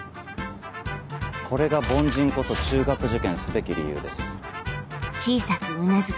これが凡人こそ中学受験すべき理由です。